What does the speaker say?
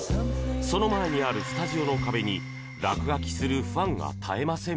その前にあるスタジオの壁に落書きをするファンが絶えません。